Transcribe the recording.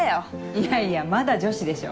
いやいやまだ女子でしょ。